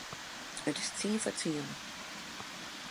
It is tsien foar tsienen.